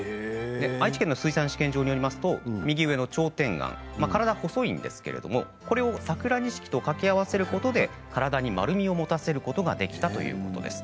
愛知県水産試験場によりますと右上のチョウテンガン体が細いんですけれどもこれをサクラニシキと掛け合わせることで体に丸みをもたせることができたということです。